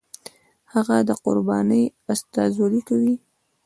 هغه د قربانۍ استازولي کوي.